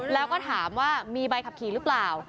แล้วก็ถามว่ามีใบขับขี่หรือเปล่า